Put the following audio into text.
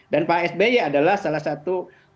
dan pak sby adalah salah satu